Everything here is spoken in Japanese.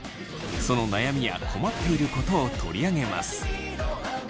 その悩みや困っていることを取り上げます。